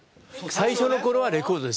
最初の頃はレコードです。